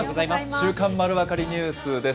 週刊まるわかりニュースです。